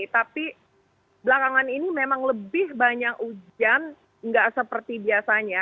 tapi belakangan ini memang lebih banyak hujan nggak seperti biasanya